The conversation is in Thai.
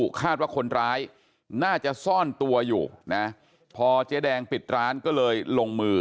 คาดว่าคนร้ายน่าจะซ่อนตัวอยู่นะพอเจ๊แดงปิดร้านก็เลยลงมือ